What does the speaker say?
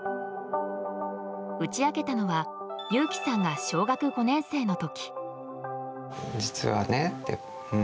打ち明けたのは祐樹さんが小学５年生の時。